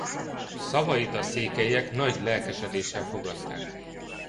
Szavait a székelyek nagy lelkesedéssel fogadták.